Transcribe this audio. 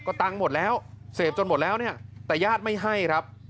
ก็ตังค์หมดแล้วเสพจนหมดแล้วเนี่ยแต่ญาติไม่ให้ครับ